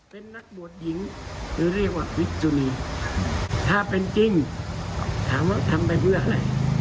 เป็นนักบวชหญิงหรือเรียกว่าวิกจุลีถ้าเป็นจริงถามว่าทำไปเพื่ออะไร